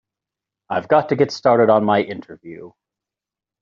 I've got to get started on my interview.